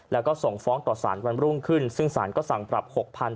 แล้วก็ส่งฟ้องต่อสารวันรุ่งขึ้นซึ่งสารก็สั่งปรับ๖๐๐